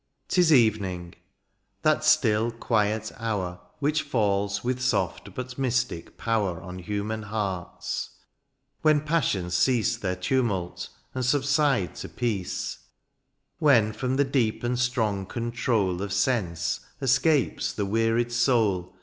'Tis evening — ^that still quiet hour Which falls with soft but mystic power On human hearts — ^when passions cease Their tumult and subside to peace ; When from the deep and strong control Of sense escapes the wearied soul.